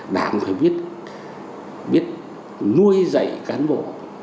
đảng phải biết biết nuôi dạy cán bộ